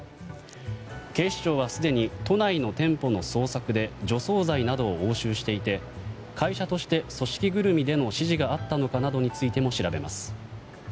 警視庁はすでに都内の店舗の捜索で除草剤などを押収していて会社として組織ぐるみでの指示があったのかなどについても調べます。